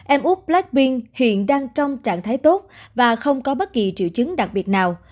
em úc blackpink hiện đang trong trạng thái tốt và không có bất kỳ triệu chứng đặc biệt nào